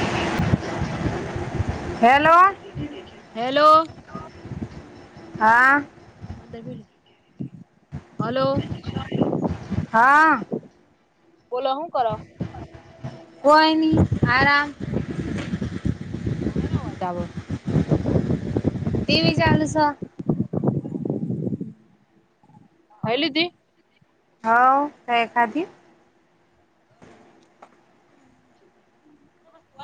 [inaudible] Hello hello હા [inaudible] હા બોલો હું કરો? કોઈની આરામ. આ હેનો અવાજ આવ? ટીવી ચનસ. એ લ હતી. હ ક એખાદી? [unintelligible]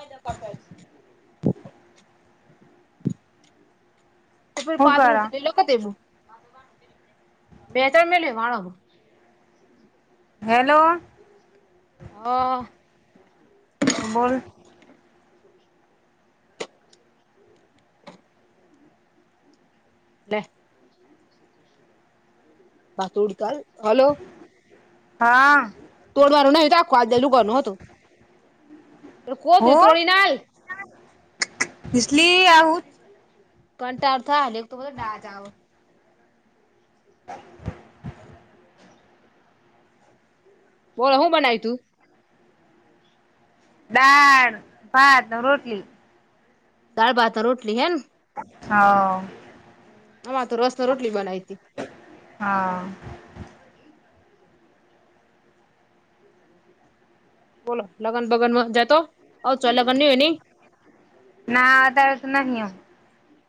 તો હું પાત્ર રું કરો લ લો ક તેવું. બે તણ મેયું વાણો. હેલો. હા. બોલ. બ [unintelligible] પાતોડકાાલ [unintelligible] હલો. હા. રું નું આખુંેલુંનું હતું [unintelligible] કોતું તોડી નાલ. લીસલી આ હું પણ તાતા ને ખૂબ જ આ જાઓ. બોલો હું બનાય તું. દાળ, ભાત, રોટલી. દાળ, ભાત ને રોટલી હેન. હવ અમાર તો રસ ને રોટલી બનાવી. હા બોલો લગન બગનમાં જતો. આવ ચો લગ્ન નહી હોય નઈ નાદ તો નહી યા.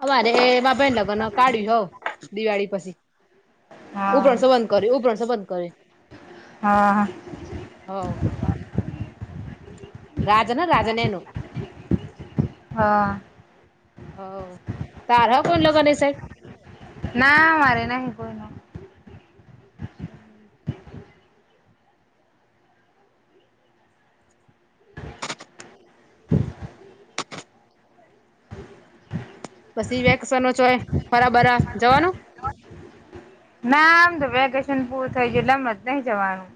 અમારે એમાં બેન લગ્ન કાઢ્યું હવ દિવાળી પછી. હા ઉપર સબધ કરે ઉપર સબધ કરે. હા હા. રાજનો રાજનેનું. હા. હા તારા કઈ લગન લેશે? ના મારે નાહિ કોઈ ના. હમ્મ. પછી વેક્શનો છે પરા બરા જવાનું? ના આમ તો વેકેશન પૂરું થઈ ગયુ એટલે હમ જ નહી જવાનું.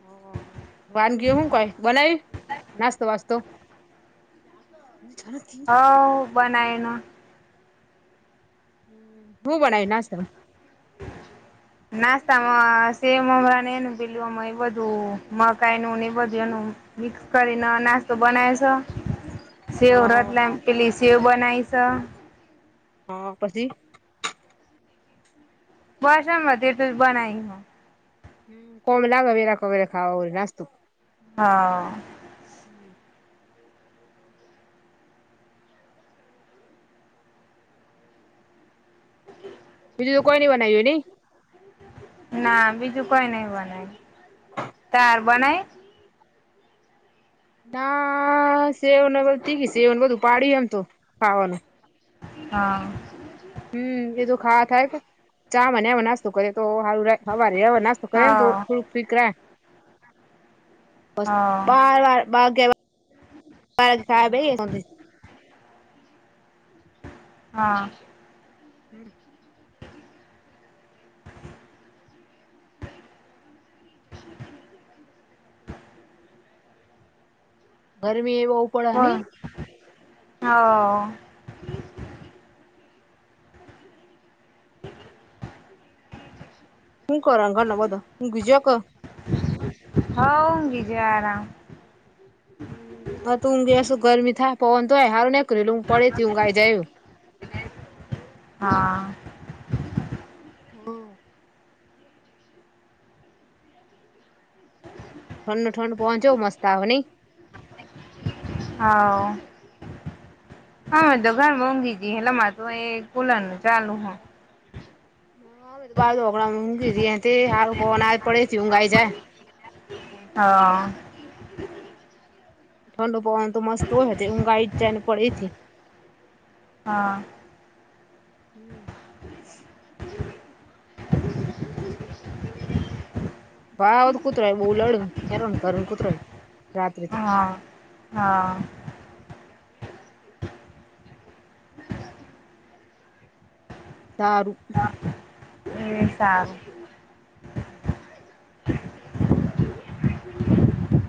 હા વાનગી હું કોઈ બનાવી નાસ્તો વાસ્તો? [unintelligible] જાથી બનાયન હું બનાઈ [unintelligible] નાસ્તામાં સેવ મમરા ને એનું પેલુંમાં એ બધું મકાઈ નું ને એ બધું એનું મિક્સ કરીને નાસ્તો બનાય સ સેવ હા રતલામી પેલી સેવ બનાઇશ હ પસી [unintelligible] બનાવી હ કોમ લાગ [unintelligible] નાસ્તુ હા. બીજું તો કોઈ નઈ બનાવ્યું નઈ ના બીજું કોઈ નહ બનાય તાર બનાય ના સેવ ન [unintelligible] તેઓને બધું પાડી એમ તો ખાવાનું હા. હમ એ તો ખાવા થાય કે ચા [unintelligible] નાસ્તો કરે તો હારું રે હવારે [unintelligible] નાસ્તો કરે હા ને [unintelligible] બસ હા બાર વાર [unintelligible] [unintelligible] હા. [inaudible] [unintelligible] [unintelligible] હવ. હું કરે [unintelligible] બધા? [unintelligible] હ [unintelligible] [unintelligible] શું ગરમી થા [unintelligible] [unintelligible] [unintelligible] [inaudible] ઠંડ ઠંડ ચો મસ્ત આવે નઈ હા હા તો ઘર મોંઘી જી એટલે મારે તો એ કુલર ન ચાલુ હ [unintelligible] તે હારું પવાના પડેથી ઊંઘાઈ જાય હા [inaudible] ઠંડુ પવન તો મસ્ત હોય છે ઊંઘાઈ જાયને પડેથી હા. હમ્મ. [inaudible] ભાવ તો કુતરાય બહુ લડ હેરાન કરું કુતરય હા, હા. તારું ઈ વિસારું. [inaudible] [inaudible]